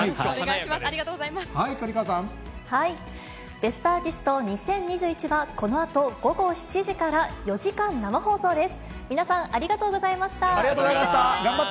ベストアーティスト２０２１は、このあと午後７時から、４時間生放送です。